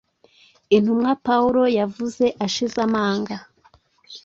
Intumwa Pawulo yavuze ashize amanga